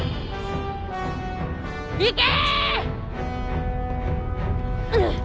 行け！